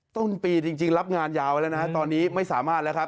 ต้นปีจริงรับงานยาวแล้วนะฮะตอนนี้ไม่สามารถแล้วครับ